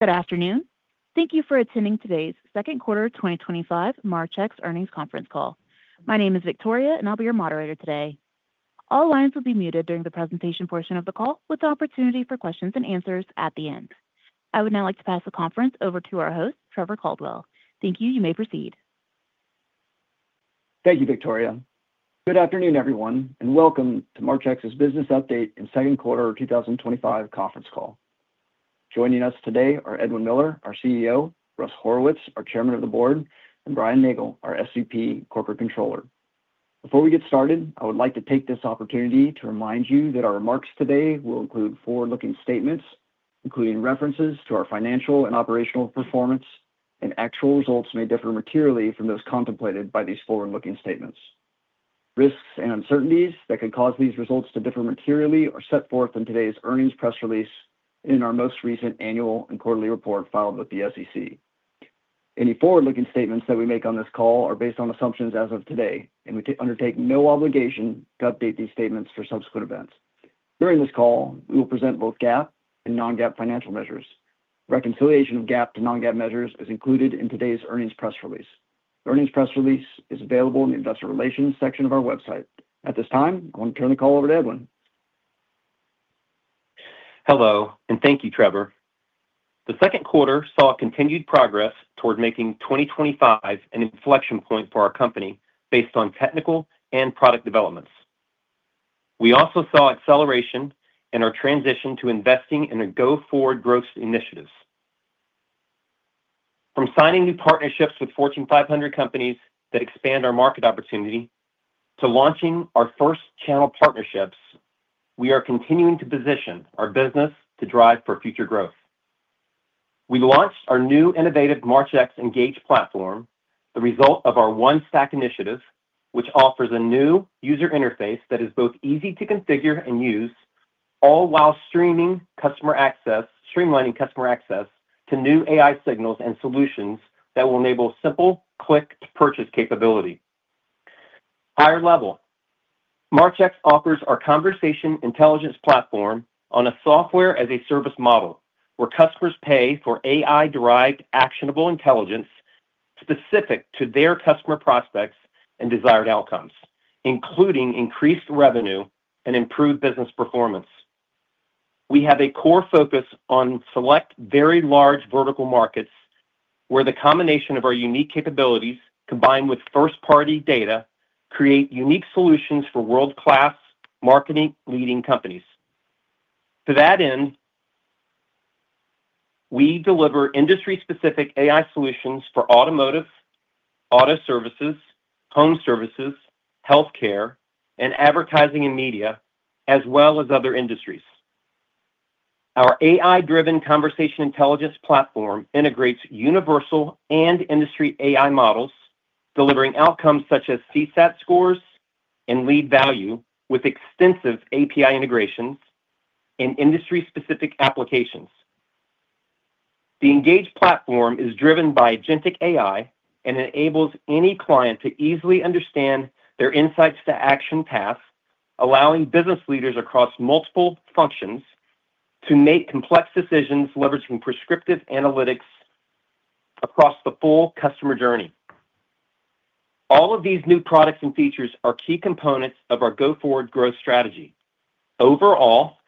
Good afternoon. Thank you for attending today's Second Quarter 2025 Marchex Earnings Conference Call. My name is Victoria, and I'll be your moderator today. All lines will be muted during the presentation portion of the call, with the opportunity for questions and answers at the end. I would now like to pass the conference over to our host, Trevor Caldwell. Thank you. You may proceed. Thank you, Victoria. Good afternoon, everyone, and welcome to Marchex's business update and second quarter 2025 conference call. Joining us today are Edwin Miller, our CEO, Russell Horowitz, our Chairman of the Board, and Brian Nagle, our SVP Corporate Controller. Before we get started, I would like to take this opportunity to remind you that our remarks today will include forward-looking statements, including references to our financial and operational performance, and actual results may differ materially from those contemplated by these forward-looking statements. Risks and uncertainties that could cause these results to differ materially are set forth in today's earnings press release and in our most recent annual and quarterly report filed with the SEC. Any forward-looking statements that we make on this call are based on assumptions as of today, and we undertake no obligation to update these statements for subsequent events. During this call, we will present both GAAP and non-GAAP financial measures. Reconciliation of GAAP to non-GAAP measures is included in today's earnings press release. The earnings press release is available in the Investor Relations section of our website. At this time, I'm going to turn the call over to Edwin. Hello, and thank you, Trevor. The second quarter saw continued progress toward making 2025 an inflection point for our company based on technical and product developments. We also saw acceleration in our transition to investing in our go-forward growth initiatives. From signing new partnerships with Fortune 500 companies that expand our market opportunity to launching our first channel partnerships, we are continuing to position our business to drive for future growth. We launched our new innovative Marchex Engage platform, the result of our OneStack initiative, which offers a new user interface that is both easy to configure and use, all while streamlining customer access to new AI signals and solutions that will enable simple click-to-purchase capability. Higher level, Marchex offers our conversation intelligence platform on a software-as-a-service model where customers pay for AI-derived actionable intelligence specific to their customer prospects and desired outcomes, including increased revenue and improved business performance. We have a core focus on select very large vertical markets where the combination of our unique capabilities, combined with first-party data, creates unique solutions for world-class marketing-leading companies. To that end, we deliver industry-specific AI signals for automotive, auto services, home services, healthcare, and advertising and media, as well as other industries. Our AI-driven conversation intelligence platform integrates universal and industry AI models, delivering outcomes such as CSAT scores and lead value with extensive API integrations and industry-specific applications. The Engage platform is driven by agentic AI and enables any client to easily understand their insights to action paths, allowing business leaders across multiple functions to make complex decisions leveraging prescriptive analytics across the full customer journey. All of these new products and features are key components of our go-forward growth strategy. Overall,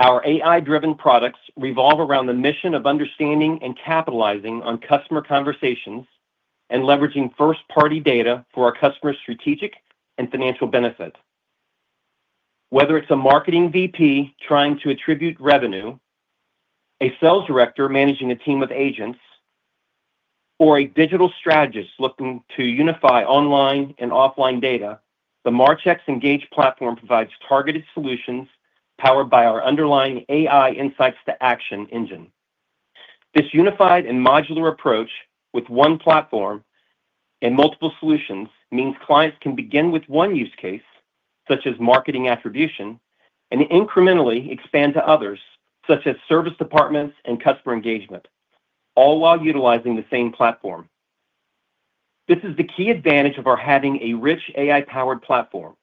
our AI-driven products revolve around the mission of understanding and capitalizing on customer conversations and leveraging first-party data for our customers' strategic and financial benefit. Whether it's a marketing VP trying to attribute revenue, a sales director managing a team of agents, or a digital strategist looking to unify online and offline data, the Marchex Engage platform provides targeted solutions powered by our underlying AI insights to action engine. This unified and modular approach with one platform and multiple solutions means clients can begin with one use case, such as marketing attribution, and incrementally expand to others, such as service departments and customer engagement, all while utilizing the same platform. This is the key advantage of our having a rich AI-powered platform.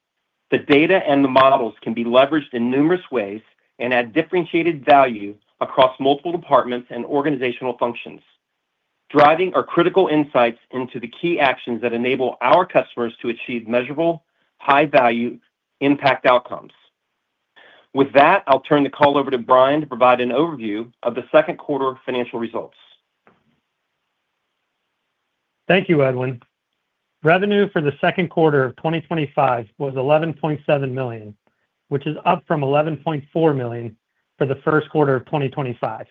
The data and the models can be leveraged in numerous ways and add differentiated value across multiple departments and organizational functions, driving our critical insights into the key actions that enable our customers to achieve measurable, high-value impact outcomes. With that, I'll turn the call over to Brian to provide an overview of the second quarter financial results. Thank you, Edwin. Revenue for the second quarter of 2025 was $11.7 million, which is up from $11.4 million for the first quarter of 2025.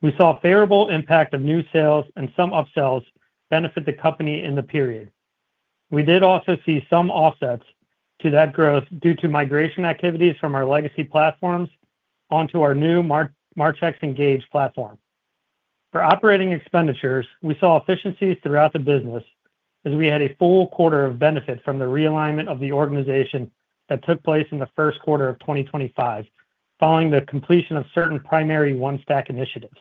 We saw a favorable impact of new sales and some upsells benefit the company in the period. We did also see some offsets to that growth due to migration activities from our legacy platforms onto our new Marchex Engage platform. For operating expenditures, we saw efficiencies throughout the business as we had a full quarter of benefit from the realignment of the organization that took place in the first quarter of 2025 following the completion of certain primary OneStack initiatives.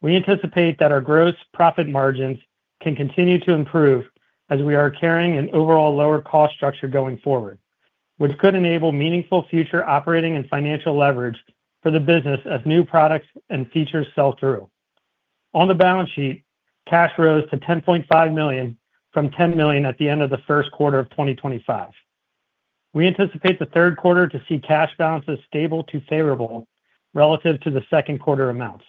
We anticipate that our gross profit margins can continue to improve as we are carrying an overall lower cost structure going forward, which could enable meaningful future operating and financial leverage for the business as new products and features sell through. On the balance sheet, cash rose to $10.5 million from $10 million at the end of the first quarter of 2025. We anticipate the third quarter to see cash balances stable to favorable relative to the second quarter amounts.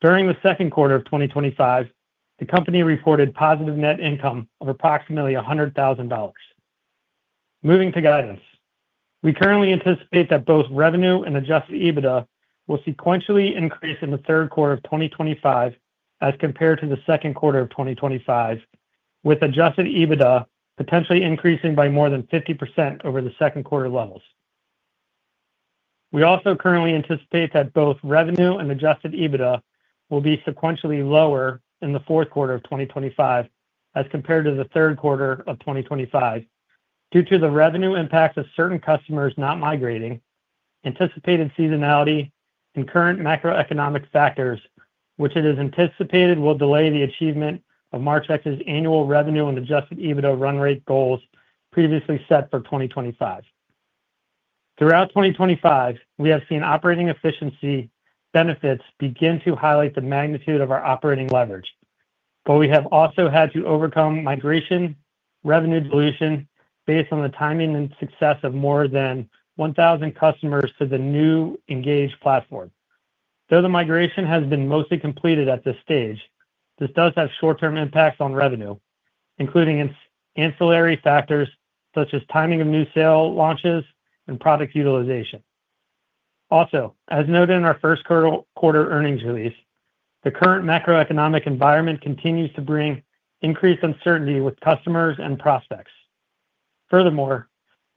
During the second quarter of 2025, the company reported positive net income of approximately $100,000. Moving to guidance, we currently anticipate that both revenue and adjusted EBITDA will sequentially increase in the third quarter of 2025 as compared to the second quarter of 2025, with adjusted EBITDA potentially increasing by more than 50% over the second quarter levels. We also currently anticipate that both revenue and adjusted EBITDA will be sequentially lower in the fourth quarter of 2025 as compared to the third quarter of 2025 due to the revenue impact of certain customers not migrating, anticipated seasonality, and current macroeconomic factors, which it is anticipated will delay the achievement of Marchex's annual revenue and adjusted EBITDA run rate goals previously set for 2025. Throughout 2025, we have seen operating efficiency benefits begin to highlight the magnitude of our operating leverage, but we have also had to overcome migration revenue dilution based on the timing and success of more than 1,000 customers to the new Engage platform. Though the migration has been mostly completed at this stage, this does have short-term impacts on revenue, including ancillary factors such as timing of new sale launches and product utilization. Also, as noted in our first quarter earnings release, the current macroeconomic environment continues to bring increased uncertainty with customers and prospects. Furthermore,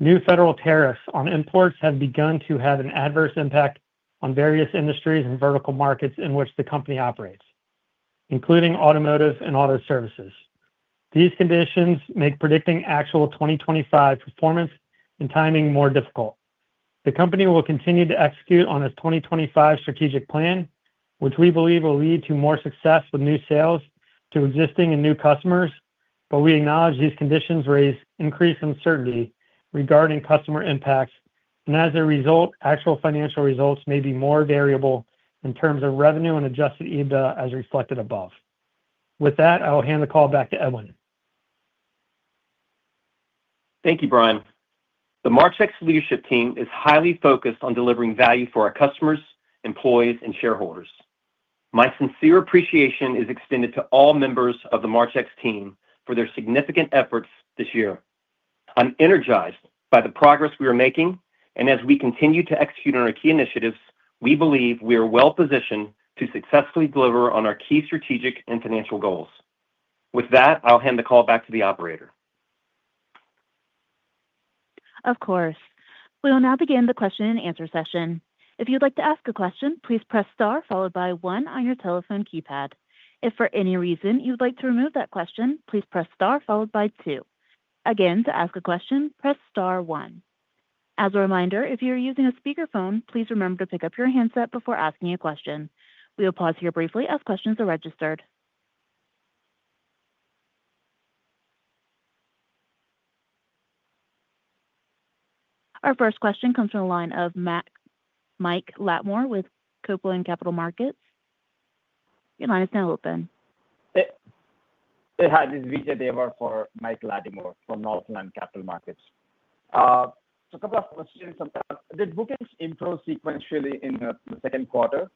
new federal tariffs on imports have begun to have an adverse impact on various industries and verticals in which the company operates, including automotive and auto services. These conditions make predicting actual 2025 performance and timing more difficult. The company will continue to execute on a 2025 strategic plan, which we believe will lead to more success with new sales to existing and new customers, but we acknowledge these conditions raise increased uncertainty regarding customer impacts, and as a result, actual financial results may be more variable in terms of revenue and adjusted EBITDA as reflected above. With that, I will hand the call back to Edwin. Thank you, Brian. The Marchex leadership team is highly focused on delivering value for our customers, employees, and shareholders. My sincere appreciation is extended to all members of the Marchex team for their significant efforts this year. I'm energized by the progress we are making, and as we continue to execute on our key initiatives, we believe we are well-positioned to successfully deliver on our key strategic and financial goals. With that, I'll hand the call back to the operator. Of course. We will now begin the question and answer session. If you'd like to ask a question, please press star followed by one on your telephone keypad. If for any reason you'd like to remove that question, please press star followed by two. Again, to ask a question, press star one. As a reminder, if you're using a speakerphone, please remember to pick up your handset before asking a question. We will pause here briefly as questions are registered. Our first question comes from the line of Mike Latimore with Copeland Capital Markets. Your line is now open. Hi. This is Vijay Devar for Mike Latimore from Northland Capital Markets. A couple of questions. Did we get this intro sequentially in the second quarter?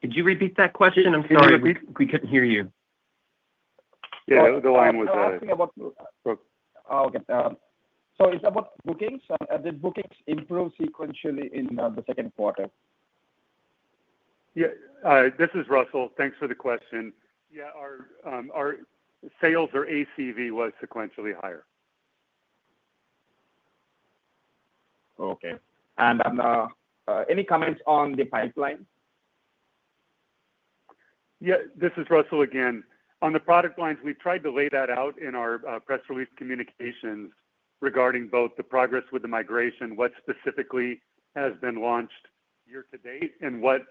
Could you repeat that question? I'm sorry, we couldn't hear you. Yeah, the line was. Oh, okay. It's about bookings. Did bookings improve sequentially in the second quarter? Yeah, this is Russell. Thanks for the question. Yeah, our sales or ACV was sequentially higher. Okay. Any comments on the pipeline? Yeah. This is Russell again. On the product lines, we tried to lay that out in our press release communications regarding both the progress with the migration, what specifically has been launched year to date, and what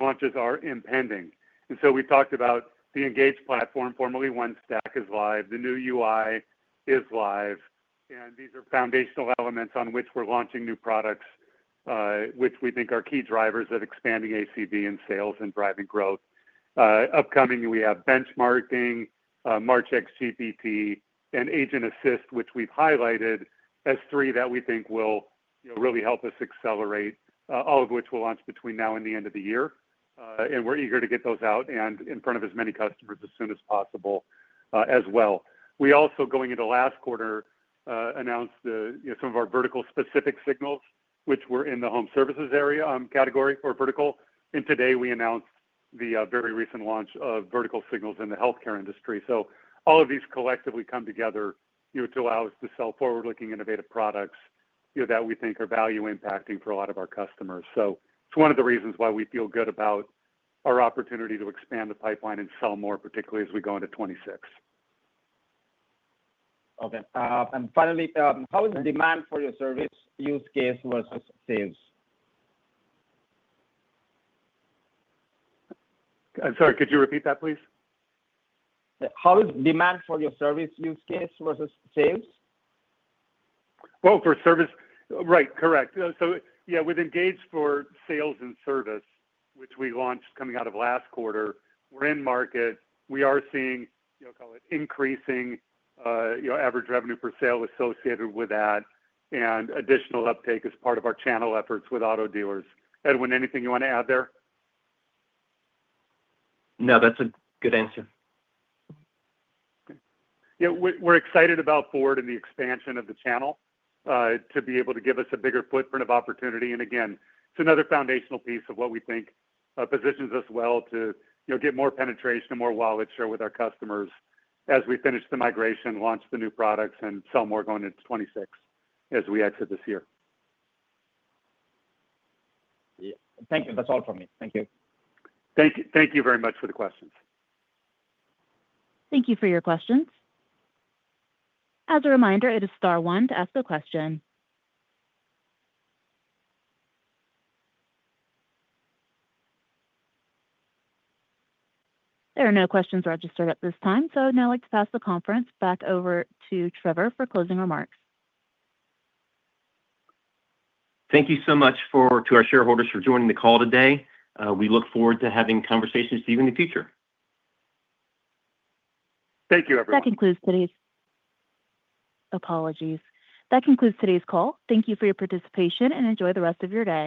launches are impending. We talked about the Engage platform, formerly OneStack, is live. The new UI is live. These are foundational elements on which we're launching new products, which we think are key drivers of expanding ACV and sales and driving growth. Upcoming, we have benchmarking, Marchex GPT, and agent assist, which we've highlighted as three that we think will really help us accelerate, all of which we'll launch between now and the end of the year. We're eager to get those out and in front of as many customers as soon as possible, as well. We also, going into last quarter, announced some of our vertical-specific signals, which were in the home services area, category or vertical. Today, we announced the very recent launch of vertical signals in the healthcare industry. All of these collectively come together to allow us to sell forward-looking innovative products that we think are value impacting for a lot of our customers. It's one of the reasons why we feel good about our opportunity to expand the pipeline and sell more, particularly as we go into 2026. Okay. Finally, how is demand for your service use case versus sales? I'm sorry. Could you repeat that, please? How is demand for your service use case versus sales? For service, right, correct. With Engage for sales and service, which we launched coming out of last quarter, we're in market. We are seeing, you know, call it increasing, you know, average revenue per sale associated with that and additional uptake as part of our channel efforts with auto dealers. Edwin, anything you want to add there? No, that's a good answer. Yeah, we're excited about Ford and the expansion of the channel to be able to give us a bigger footprint of opportunity. It's another foundational piece of what we think positions us well to get more penetration and more wallet share with our customers as we finish the migration, launch the new products, and sell more going into 2026 as we exit this year. Thank you. That's all from me. Thank you. Thank you. Thank you very much for the questions. Thank you for your questions. As a reminder, it is star one to ask a question. There are no questions registered at this time, so I'd now like to pass the conference back over to Trevor for closing remarks. Thank you so much to our shareholders for joining the call today. We look forward to having conversations with you in the future. Thank you, everyone. That concludes today's call. Thank you for your participation and enjoy the rest of your day.